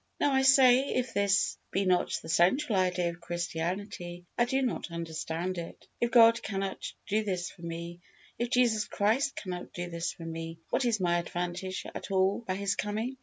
Now, I say, if this be not the central idea of Christianity, I do not understand it. If God cannot do this for me if Jesus Christ cannot do this for me, what is my advantage at all by His coming?